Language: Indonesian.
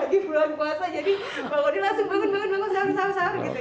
apa lagi bulan puasa jadi bangun dia langsung bangun bangun bangun